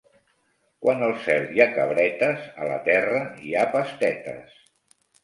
Quan al cel hi ha cabretes, a la terra hi ha pastetes.